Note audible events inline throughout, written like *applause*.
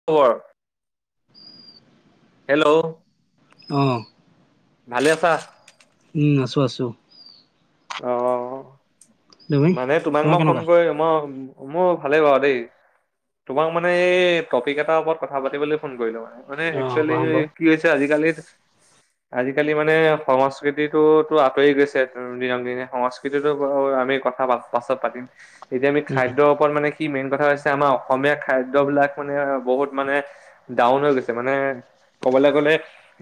*inaudible* Hello অ' ভালে আছা উম আছোঁ আছোঁ অ' তুমি? মানে তোমাক তোমাৰ মই ফোন কেনেকুৱা? কৰি মই মোৰ ভালেই বাৰু দেই তোমাক মানে এই টপিক এটাৰ ওপৰত কথা পাতিবলৈ ফোন কৰিলো মানে মানে অ', একচুৱেলি কোৱা চোন বাৰু। কি হৈছে আজিকালি আজিকালি মানে সংস্কৃতিটো আঁতৰি গৈছে দিনক দিনে সংস্কৃতিটো বাৰু আমি কথা পাছত পাতিম এতিয়া আমি উম, খাদ্য মানে কি মেইন কথা হৈছে আমাৰ অসমীয়া খাদ্য বিলাক মানে বহুত মানে ডাউন হৈ গৈছে মানে ক'বলৈ গ'লে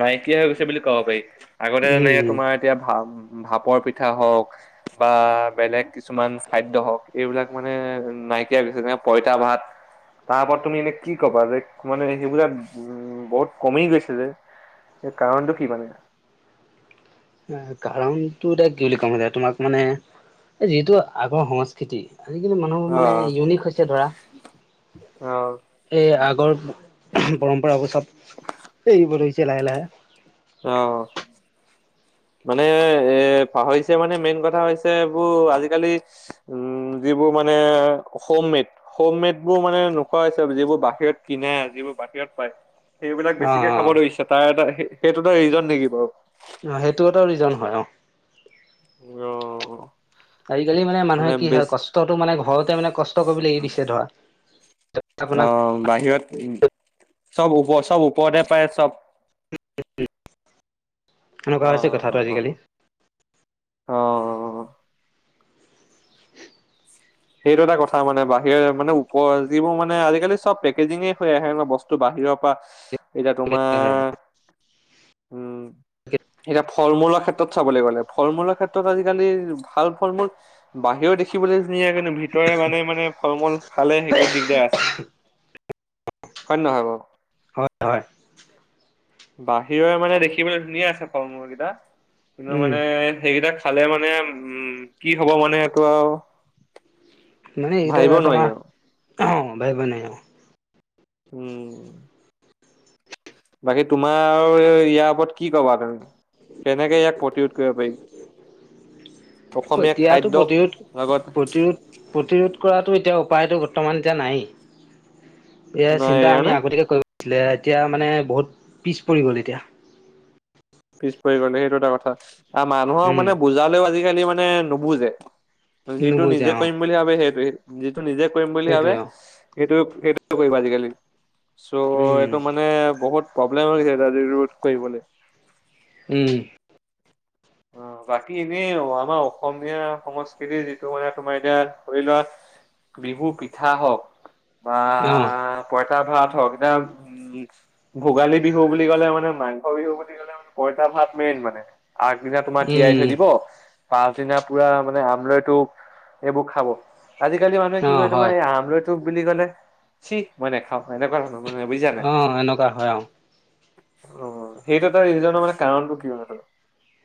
নাইকিয়া হৈ গৈছে বুলি ক'ব পাৰি আগতে যেনেকে উম, তোমাৰ এতিয়া ভা ভাপৰ পিঠা হওক বা বেলেগ কিছুমান খাদ্য হওক এইবিলাক মানে নাইকিয়া হৈ গৈছে যেনেে পইতা ভাত তাৰ ওপৰত তুমি এনে কি কবা যে মানে সেইবিলাক উ বহুত কমি গৈছে যে সেই কাৰণটো কি মানে কাৰণটো এতিয়া কি বুলি কম তোমাক মানে যিটো আগৰ সংস্কৃতি আজিকালি মানুহবোৰ মানে ইউনিক হৈছে ধৰা অ' এই আগৰ পৰম্পৰাবোৰ চব এৰিব ধৰিছে লাহে লাহে অ' মানে এ পাহৰিছে মানে মেইন কথা হৈছে এইবোৰ আজিকালি উম যিবোৰ মানে হোম মেড হোম মেড বোৰ মানে নোখোৱা হৈছে যিবোৰ বাহিৰত কিনে যিবোৰ বাহিৰত পায় সেইবিলাক অ', বেছিকে অ', খাব ধৰিছে তাৰ এটা সেইটো এটা ৰিজন নেকি বাৰু অ সেইটো এটা ৰিজন হয় অ অ' আজিকালি মানে মানুহে কি হয় কষ্টটো মানে ঘৰতে মানে কষ্ট কৰিবলৈ দিছে ধৰা অ *inaudible* বাহিৰত চব ওপ চব ওপৰতে পায় চব। এনেকুৱা হৈছে অ', কথাটো আজিকালি। অ', অ'। অ', সেইটো এটা কথা মানে বাহিৰৰে মানে ওপ যিবোৰ মানে আজিকালি চব পেকেজিঙে হৈ আহে মানে বস্তু বাহিৰৰ পৰা। এতিয়া তোমাৰ উম এতিয়া ফল-মূলৰ ক্ষেত্ৰত চাবলৈ গ'লে ফল-মূলৰ ক্ষেত্ৰত আজিকালি ভাল ফল-মূল বাহিৰেও দেখিবলৈ *unintelligible* ভিতৰে মানে মানে ফল-মূল খালে সেইটো দিগদাৰ আছে। হয়নে নহয় বাৰু? হয় হয়। বাহিৰৰে মানে দেখিবলৈ ধুনীয়া আছে ফল-মূল কেইটা কিন্তু উম, মানে সেইকেইটাক খালে মানে উম কি হব মানে এইটো আৰু মানে ভাবিব নোৱাৰি আৰু *unintelligible* উম। বাকী তোমাৰ ইয়াৰ ওপৰত কি কবা তুমি কেনেকে ইয়াক প্ৰতিৰোধ কৰিব পাৰি? অসমীয়া এতিয়াতো খাদ্যক প্ৰতিৰোধ লগত প্ৰতিৰোধ প্ৰতিৰোধ কৰাটো এতিয়া উপায়টো বৰ্তমান এতিয়া নাইয়ে। এ নাই চিন্তা আমি মানে আগতীয়াকে কৰিব লাগিছিলে এতিয়া মানে বহুত পিছ পৰি গ'ল এতিয়া। পিছ পৰি গলে সেইটো এটা কথা আৰু মানুহক উম মানে বুজালেও আজিকালি মানে নুবুজে। যিটো নুবুজে নিজে অ কৰিম বুলি ভাবে সেইটো, যিটো নিজে কৰিম বুলি ভাবে। সেইটোৱে অ সেইটো সেইটো কৰিবা আজিকালি চ' উম এইটো মানে বহুত প্ৰব্লেম হৈ যায় ৰোধ কৰিবলৈ। উম। অ' বাকী এনেই আমাৰ অসমীয়া সংস্কৃতিৰ যিটো মানে তোমাৰ এতিয়া ধৰি লোৱা বিহু পিঠা হওক। অ'। পঁইতা ভাত হওঁক *unintelligible* ভোগালী বিহু বুলি ক'লে মানে মাংস বিহু বুলি ক'লে মানে পঁইতা ভাত মেইন মানে। দিনা তোমাৰ তিয়াই উম থৈ দিব, পাছ দিনা পুৰা মানে আমলৈ টোপ এইবোৰ খাব। আজিকালি মানুহে অ কি কৰে তোমাৰ হয় এই আমলৈ টোপ বুলি কলে, চি মই নেখাও এনেকুৱা ধৰণৰ। মানে বুজিছা নাই অ' এনেকুৱা হয় অ'। *unintelligible* সেইটো এটা ৰিজনৰ মানে কাৰণটো কি মানে *unintelligible*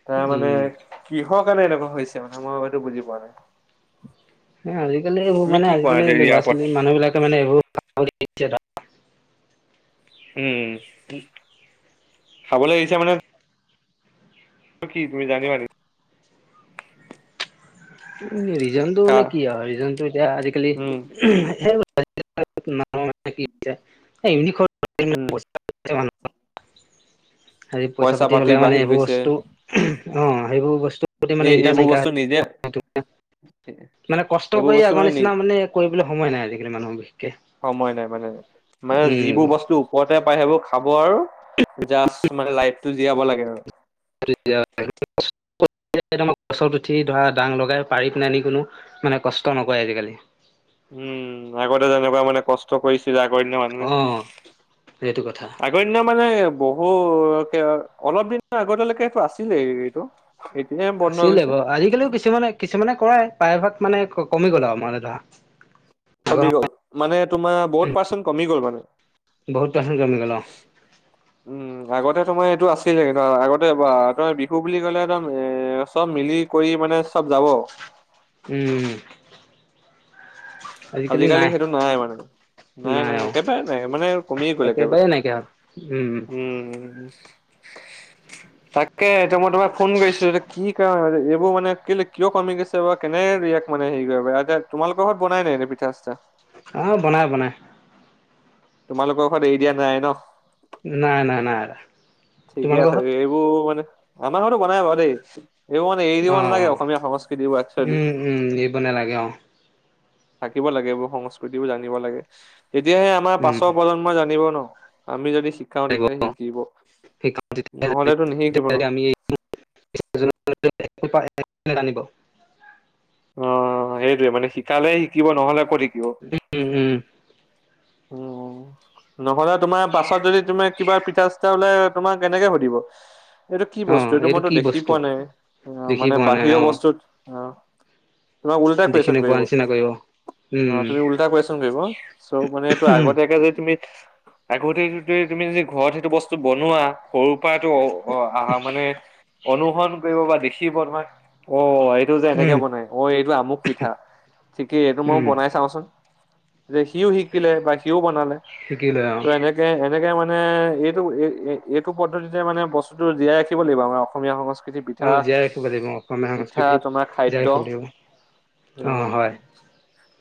তাৰ মানে উম কিহৰ কাৰণে এনেকুৱা হৈছে মানে, মই এইটো বুজি পোৱা নাই। আজিকালি এইবোৰ তুমি কি মানে কোৱা আজিকালি ইয়াৰ ওপৰত ল'ৰা-ছোৱালী মানুহ বিলাকে মানে এইবোৰ উম, খাবলে এৰিছে মানে টো কি তুমি জানিবা নেকি? উম, ৰিজনটো কাৰ কি আৰু ৰিজনটো এতিয়া আজিকালি *inaudible* উম উম'। হেৰি পইচা পইচা-পাতি পাতি হ'লে মানে বাঢ়ি এইবোৰ গৈছে বস্তু *unintelligible* অ' সেইবোৰ বস্তু। এই-এইবোৰ বস্তু নিজে মানে কষ্ট এইবোৰ কৰি বস্তু আগৰ নি নিচিনা মানে কৰিবলৈ সময় নাই আজিকালি মানুহৰ *unintelligible* সময় নাই মানে, মানে উম। যিবোৰ বস্তু ওপৰতে পাই সেইবোৰ খাব আৰু জাষ্ট মানে লাইফটো জীয়াব লাগে আৰু। *inaudible* গছত উঠি ধৰা দাং লগাই পাৰি পেনে আনি কোনো মানে কষ্ট নকৰে আজিকালি। উম, আগতে যেনেকুৱা মানে কষ্ট কৰিছিলে আগৰ দিনা মানুহে অ' সেইটো কথা তাক গণ্য মানে বহু কে অলপ দিনৰ আগতেলৈকে এইটো আছিলেই এইটো। এতিয়া বন্ধ হৈ আছিলে গৈছে বাৰু, আজিকালিও কিছুমানে কিছুমানে কৰাই, প্ৰায়ভাগ মানে কমি গ'ল আৰু আমাৰ ধৰা। আগৰ কমি গ'ল। মানে তোমাৰ বহুত পাৰ্চেণ্ট কমি গ'ল মানে। *unintelligible* কমি গ'ল অ'। উম, আগতে তোমাৰ এইটো আছিলে কিন্তু আগতে তোমাৰ বিহু বুলি ক'লে একদম এ, চব মিলি কৰি মানে চব যাব। উম। আজিকালি সেইটো নাই মানে, নাই নাই একেবাৰে নাই মানে কমিয়ে গ'ল একেবাৰে। নাইকিয়া হ'ল উম উম। তাকে এতিয়া মই তোমাক ফোন কৰিছিলোঁ, কি এইবোৰ মানে কি কিয় কমি গৈছে আছে বাৰু কেনেকে ৰিয়েক্ট মানে হেৰি কৰিবা, একে তোমালোকৰ ঘৰত বনাই নাই এনেই পিঠা চিঠা? অ' বনাই বনাই। তোমালোকৰ ঘৰত এৰি দিয়া নাই ন'? নাই, নাই, নাই এৰা। তোমালোকৰ ঘৰত? বোৰ মানে, আমাৰ ঘৰতো বনাই বাৰু দেই, এইবোৰ মানে এৰি অ দিব অ নালাগে অসমীয়া সংস্কৃতিবোৰ একচুৱেলি। উম উম, এৰিব নালাগে অ'। থাকিব লাগে এইবোৰ সংস্কৃতিবোৰ জানিব লাগে, তেতিয়াহে আমাৰ উম পাছৰ প্ৰজন্মই জানিব ন'। আমি যদি শিকাও তেতিয়াহে শিকিব, নহ'লেতো নিশিকিব নহয়। *unintelligible* জানিব। অ' সেইটোয়ে মানে শিকালে শিকিব নহ'লে ক'ত শিক উম, উম। উম, নহ'লে তোমাৰ, পাছত যদি তুমি কিবা পিঠা চিঠা হ'লে তোমাক এনেকে সুধিব এইটো কি অ বস্তু এইটো মইতো কি দেখি বস্তু পোৱা নাই। আহ, দেখি মানে পোৱা নাই বাহিৰৰ অ বস্তুত আহ তোমাক উলটাই দেখি কোৱেশ্যন নোপোৱা কৰিব। নিচিনা অ' উম তুমি উলটা কোৱেশ্যন কৰিব, চ' মানে এইটো উম আগতে তাকে যদি তুমি আগতেই তুমি যদি ঘৰত সেইটো বস্তু বনোৱা সৰু পৰাটো অ', অ' আহা মানে অনুসৰণ কৰিব বা দেখিব তোমাৰ অ' কেও যে এনেকে উম বনাই অ' এইটো আমুক পিঠা, ঠিকেই এইটো মই উম বনাই চাওঁচোন। যে সিও শিকিলে বা সিও বনালে। শিকিলে অ'। ত এনেকে এনেকে মানে এইটো এই-এই এইটো পদ্ধতিতে মানে বস্তুটো ৰাখিব লাগিব আমাৰ অসমীয়া সংস্কৃ কিতিৰ অ পিঠা, জীয়াই ৰাখিব লাগিব অসমীয়া পিঠা সংস্কৃতি তোমাৰ জীয়াই খাদ্য ৰাখিব লাগিব অ',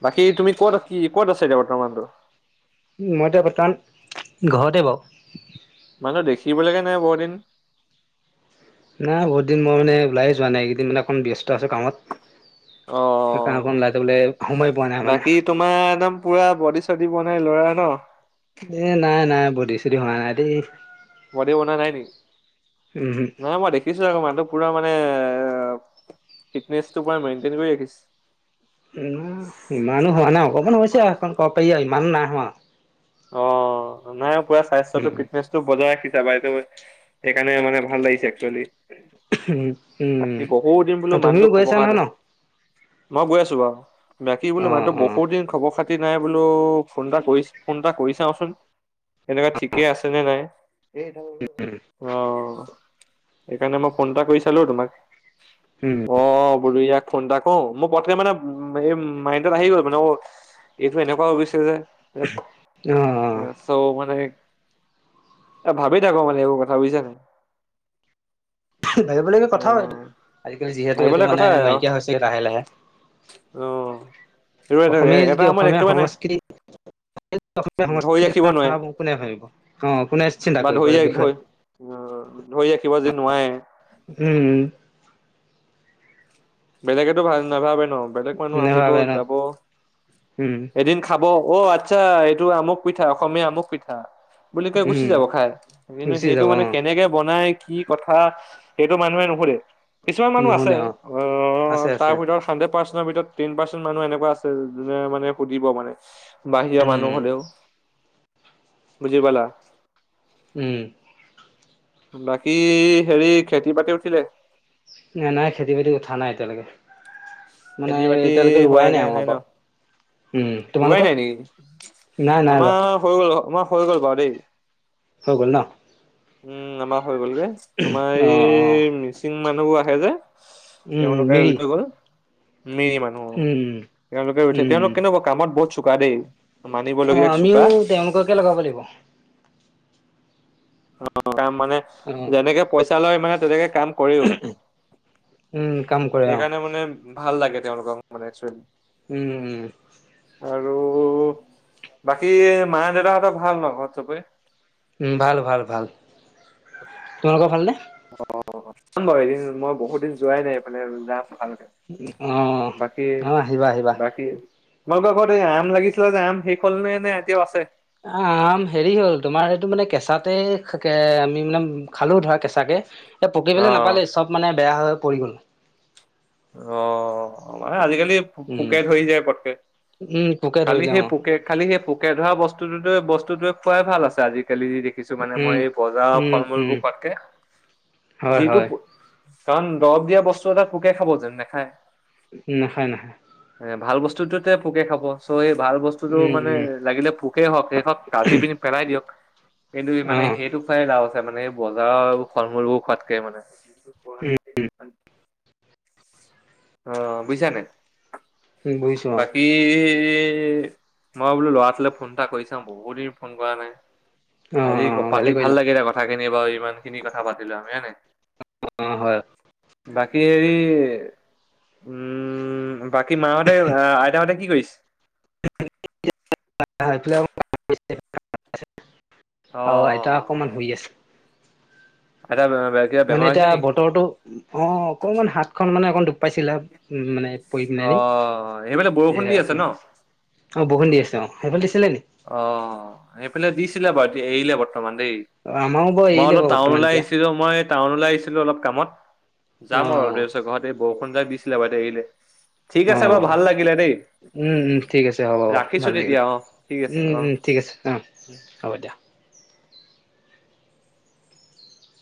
বাকী তুমি ক'ত কি ক'ত আছা এতিয়া বৰ্তমানটো? মই এতিয়া বৰ্তমান ঘৰতে বাৰু। মানুহ দেখিবলৈকে নাই বহুত দিন। নাই বহুত দিন মই মানে ওলাই যোৱা নাই, এইকেইদিন মানে অকণ ব্যস্ত আছোঁ কামত। সেইকাৰনে অ অকন ওলাই যাবলে সময় পোৱা নাই মানে। বাকী তোমাৰ একদম পুৰা বডি চডি বনাই ল'ৰা ন'? এ, নাই নাই, বডি চডি হোৱা নাই দেই। বডি বনোৱা নাই নি, নহয় মই দে দেখিছোঁ আকৌ মানুহটো পুৰা মানে ফিটনেচটো পুৰা মেইনটেইন কৰি ৰাখিছ। ইমানো হোৱা নাই, অকমান হৈছে আৰু সেইখন ক'ব পাৰি আৰু ইমানো নাই হোৱা আৰু। অ' নাই পুৰা স্বাস্থ্যতো ফিটনেচ টো বজাই ৰাখিছা বাইদাৱে সেইকাৰনে মানে ভাল লাগিছে একচুৱেলি। উম উম। বাকী বহুত দিন বোলে মানুহটো তুমিও খব গৈছা কৰা নহয় তে ন মই গৈ আছো বাও, বাকী বো অ *unintelligible* মানুহটো ব অ বহুত দিন খবৰ খাতি নাই বোলো, ফোন এটা কৰি ফোন এটা কৰি চাওঁচোন। কেনেকা ঠিকেই আছেনে নাই? *unintelligible* অ'হ সেইকাৰণে মই ফোন এটা কৰি চালো তোমাক। উম অ' বোলো ইয়াক ফোন এটা কও মোৰ পতকে মানে সেই মা মাইণ্ডত আহি গ'ল মানে অও এইটো এনেকোৱা হৈ গৈছে যে। অঁ অঁ চ' মানে এ ভাবি থাকো মানে এইবোৰ কথা বুজিছা নাই? ভাবিব লগিয়া কথাও এইটো, অ', আজিকালি যিহেতু এইটো ভাবিবলে মানে কথাই আৰু নাইকিয়া হৈছে লাহে লাহে। অ', এইটো অসমীয়া এটা যদি সময়ত অসমীয়া একেবাৰে নাই সংস্কৃতি *unintelligible* অসমীয়া ধৰি সংস্কৃতিৰ ৰাখিব নোৱাৰে নাভাবো কোনে ভাবিব, অঁ কোনে চিন্তা কৰিব এই বিষয়ে? অ' ধৰি ৰাখিব যে নোৱাৰে উম বেলেগেটো ভাল নাভাবে ন' বেলেগ মানুহ আহিব নেভাবে ন' যাব উম। এদিন খাব অ' আচ্ছা এইটো আমুক পিঠা, অসমীয়া আমুক পিঠা। বুলি কৈ গুচি উম যাব খাই, কিন্তু গুচি সেইটো যাব অ মানে কেনেকে বনাই কি কথা সেইটো মানুহে নোশুধে। কিছুমান মানুহ আছে নুশুনে অ অঁ আছে তাৰ আছে ভিতৰত হাড্ৰেড পাৰ্চে তাৰ ভিতৰত পাৰ্চেন মানুহ এনেকুৱা আছে যোনে মানে সুধিব মানে। বাহিৰৰ উম মানুহ হ'লেও বুজি পালা? উম। বাকী হেৰি খেতি বাতি উঠিলে? নে নাই খেতি বাতিৰ কথা নাই এতিয়ালেকে্ মানে খেতি বাতি এতিয়ালেকে ৰোৱাই নাই হোৱাগে আমাৰ ন বা উম ৰোৱাই তোমালোকৰ? নাই নেকি নাই নাই আমাৰ ৰোৱা। হৈ গ'ল হৈ আমাৰ গ'ল বাও দেই। হৈ গ'ল ন'? উম আমাৰ হৈ গ'লগে, তোমাৰ অ অ এই মিচিং মানুহবোৰ আহে যে উম তেওঁলোকে মিৰি এৰি থৈ গ'ল। মিৰি মানুহ, উম তেওঁলোকে ৰুই থৈ উম তেওঁলোক কেনেকুৱা কামত বহুত চোকা দেই, মানিব লগীয়া চোকা। গৈ কে লগাব দিব? অঁ কাম মানে, অ যেনেকে পইচা লয় মানে তেনেকে কাম কৰেও, উম কাম কৰে অ সেইকাৰণে মানে ভাল লাগে তেওঁলোকৰ মানে চৰিত উম উম। আৰু বাকী মা-দেউতাহঁতৰ ভাল ন' ঘৰত সবেই? উম ভাল ভাল ভাল, তোমালোকৰ ভালনে? অঁ অঁ যাম বাও এদিন, মই বহুত দিন যোৱাই নাই এফালে যাম ভালকে। অঁ, বাকী অঁ আহিবা আহিবা। বাকী তোমালোকৰ ঘৰত এই আম লাগিছিলে যে আম শেষ হ'ল নে নে এতিয়াও আছে। আম হেৰি হ'ল তোমাৰ এইটো মানে কেঁচাতে আমি মানে খালো ধৰা কেঁচাকে এই ষপকিবলৈ অ নাপালেই চব মানে বেয়া হৈ হৈ পৰি গ'ল। অ' মানে আজিকালি উম পোকে ধৰি যায় পটকে উম পোকে খালি ধৰিলে সেই অ পোকে খালি সেই পোকে ধৰা বস্তুটো বস্তুটোৱে খুৱাই ভাল আছে আজিকালি যি দেখি দেখিছো মানে মই উম, এই বজাৰ উম, ফল উম, মূলবোৰ খোৱাতকে হয়, যিটো হয়, প কাৰণ দৰৱ দিয়া বস্তু এটা পোকে খাব যানো, নাখায় নাখায় নাখায়। এইট ভাল বস্তুতোতে পোকে খাব চ' এই ভাল বস্তু বস্তুটো উম, মানে উম, লাগিলে পোকেই হওক সেইকন কাটি পিনে পেলাই দিয়ক কিন্ত মানে অ', সেইটো খোৱায়ে লাভ আছে মানে এই বজাৰৰ ফল-মূল বোৰ খোৱাতকে মানে অ বুইছা নে উম বুইছো অ। এই মই বোলো ল'ৰাটোলৈ ফোন এটা কৰি চাও বহুত দিন ফোন কৰা নাই। অ', আজি অ', ভালে পাতি ভাল কৰিলা লাগিলে কথাখিনি বাৰু ইমান খিনি কথা পাতিলো আমি হয়নে। অ হয়। বাকী হেৰি উম বাকী মাহতে আইতাহতে কি কৰিছে? *unintelligible* *unintelligible* অ আইতা অকণমান শুই আছে। আইতা *unintelligible* মানে এতিয়া নেকি? বতৰটো অ অকণমান হাত খন মানে অকণমান দুখ পাইছিলে। উম মানে পৰি পিলাই অ' সেইফালে বৰষুণ দি আছে নি ন? অ বৰষুণ দি আছে অ, সেইফাল দিছিলে নি? অ এইফালে দিছিলে বাৰু এৰিলে বৰ্তমান দেই। অ', আমাৰো বাৰু মই এৰিলে অলপ বাৰু বৰ্তমান টাউনলে এতিয়া আহিছিলো মই টাউনলে আহিছিলো অলপ কামত যাম আৰু অলপ অ', দেৰি পিছত ঘৰত এই বৰষুণ জাক দিছিলে বাৰু এতিয়া এৰিলে। ঠিক আছে বাৰু অ', ভাল লাগিলে দেই, উম, উম, ঠিক আছে হ'ব, হ'ব, ৰাখিছো ভাল লাগিলে। তেতিয়া অ। ঠিক আছে উম অ। উম ঠিক আছে অ হ'ব দিয়া।